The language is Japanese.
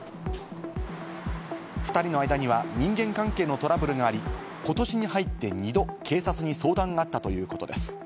２人の間には人間関係のトラブルがあり、ことしに入って２度、警察に相談があったということです。